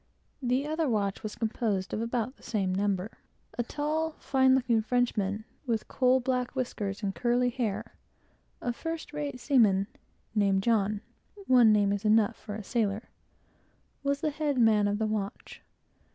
The other watch was composed of about the same number. A tall, fine looking Frenchman, with coal black whiskers and curly hair, a first rate seaman, and named John, (one name is enough for a sailor,) was the head man of the watch.